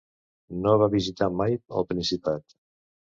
No va visitar mai el Principat.